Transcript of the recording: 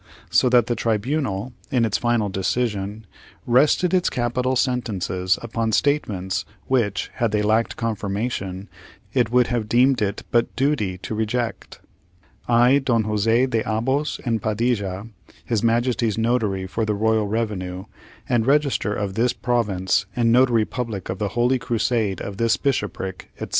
So that the tribunal, in its final decision, rested its capital sentences upon statements which, had they lacked confirmation, it would have deemed it but duty to reject. I, DON JOSE DE ABOS AND PADILLA, His Majesty's Notary for the Royal Revenue, and Register of this Province, and Notary Public of the Holy Crusade of this Bishopric, etc.